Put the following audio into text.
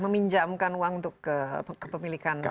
meminjamkan uang untuk kepemilikan